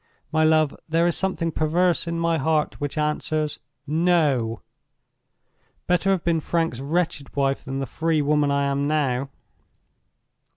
My love! there is something perverse in my heart which answers, No! Better have been Frank's wretched wife than the free woman I am now.